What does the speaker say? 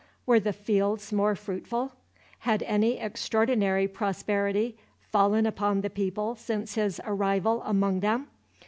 Were the fields more fruitful? Had any extraordinary prosperity fallen upon the people since his arrival among them?